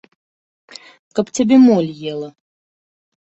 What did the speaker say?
Каб цябе моль ела.